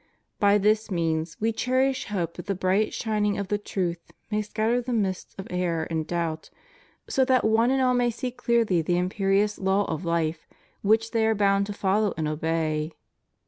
By this means We cherish hope that the bright shining of the truth may scatter the mists of error and doubt, so that one and all may see clearly the imperious law of hfe which they are bound to follow and obey.